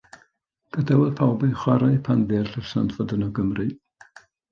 Gadawodd pawb eu chwarae pan ddeallasant fod yno Gymry.